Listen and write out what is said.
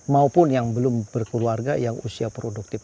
maupun yang belum berkeluarga yang usia produktif